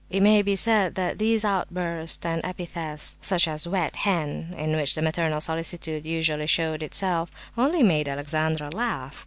It may be said that these outbursts and epithets, such as "wet hen" (in which the maternal solicitude usually showed itself), only made Alexandra laugh.